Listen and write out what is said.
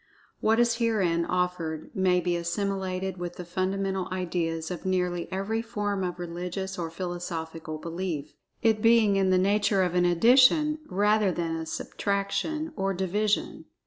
What is herein offered may be assimilated with the fundamental ideas of nearly every form of religious or philosophical belief, it being in the nature of an Addition rather than a Subtraction, or Division.